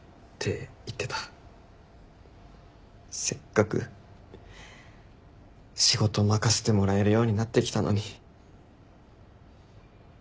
せっかく仕事任せてもらえるようになってきたのに。